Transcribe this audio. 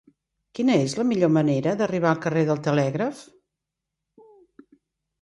Quina és la millor manera d'arribar al carrer del Telègraf?